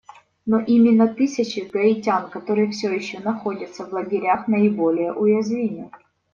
Но именно тысячи гаитян, которые все еще находятся в лагерях, наиболее уязвимы.